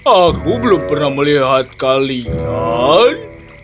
aku belum pernah melihat kalian